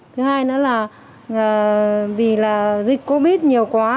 thứ hai nữa là vì là dịch covid nhiều quá